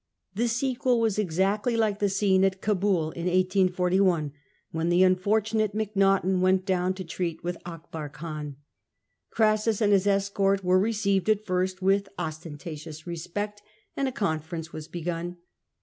The sequel was exactly like the scene at Caubul in 1841, when the unfortunate Macnaughten went down to treat with Akbar Khan. Crassus and his escort were received at first with ostentatious respect, and a con ference was begun.